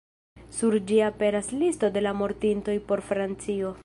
Sur ĝi aperas listo de la mortintoj por Francio.